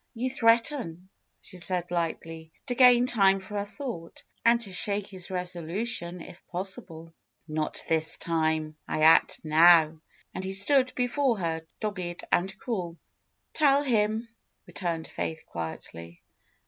'^You threaten," she said lightly, to gain time for thought, and to shake his resolution if possible. "Not this time. I act now," and he stood before her, dogged and cruel. "Tell him," returned Faith quietly.